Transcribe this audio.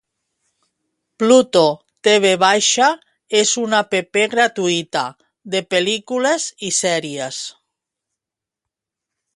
Pluto tv és una app gratuïta de pel·lícules i sèries